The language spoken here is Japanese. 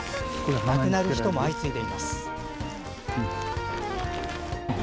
亡くなる人も相次いでいます。